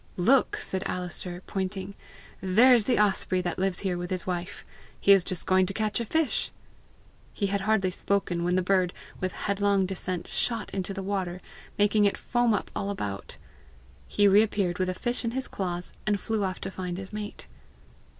"Look!" said Alister pointing; "there is the osprey that lives here with his wife! He is just going to catch a fish!" He had hardly spoken when the bird, with headlong descent, shot into the water, making it foam up all about. He reappeared with a fish in his claws, and flew off to find his mate.